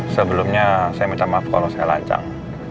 sebelumnya saya minta maaf kalau saya lancang